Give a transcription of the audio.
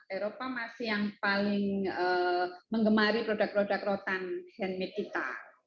eropa masih yang paling mengemari produk produk rotan handmade kita